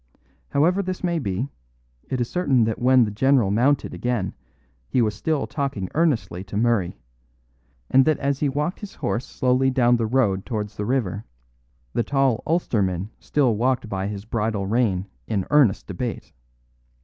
However this may be, it is certain that when the general mounted again he was still talking earnestly to Murray; and that as he walked his horse slowly down the road towards the river, the tall Ulsterman still walked by his bridle rein in earnest debate.